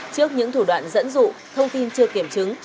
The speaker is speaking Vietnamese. trước những thủ đoạn dẫn dụ thông tin chưa kiểm chứng